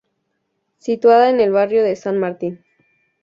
Situada en el barrio de San Martín.